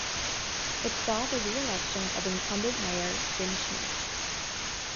It saw the reelection of incumbent mayor Jim Schmitt.